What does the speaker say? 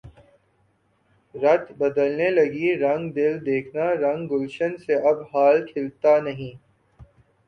رت بدلنے لگی رنگ دل دیکھنا رنگ گلشن سے اب حال کھلتا نہیں